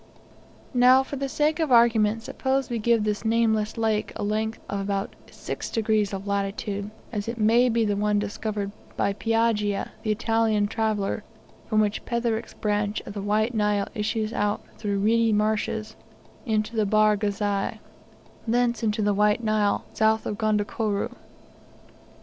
Now, for the sake of argument, suppose we give this nameless lake a length of 6 degrees of latitude, as it may be the one discovered by Piaggia, the Italian traveller, from which Petherick's branch of the White Nile issues out through reedy marshes, into the Bahr Ghazal, thence into the White Nile, south of Gondokoro.